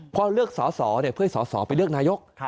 พอเลือกสอสอเพื่อให้สอสอไปเลือกนายก